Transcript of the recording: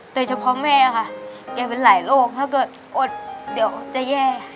แม่ค่ะแกเป็นหลายโรคถ้าเกิดอดเดี๋ยวจะแย่ค่ะ